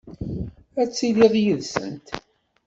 Ad ttiliɣ yid-sent.